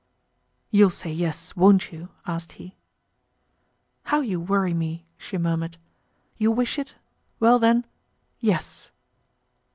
"You'll say 'yes,' won't you," asked he. "How you worry me!" she murmured. "You wish it? Well then, 'yes.